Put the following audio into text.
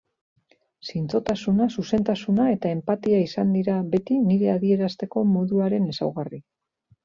Zintzotasuna, zuzentasuna eta enpatia izan dira beti nire adierazteko moduaren ezaugarri.